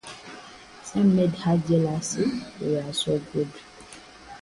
Some made her jealous, they were so good.